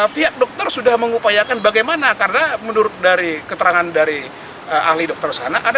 pihak dokter sudah mengupayakan bagaimana karena menurut dari keterangan dari ahli dokter sana ada